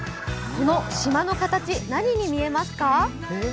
この島の形、何に見えますか？